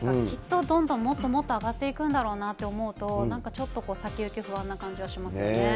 きっとどんどんもっと上がっていくんだろうなと思うと、なんかちょっと先行き不安な感じはしますよね。